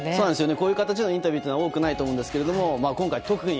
こういう形でのインタビューというのは多くないと思うんですが今回特に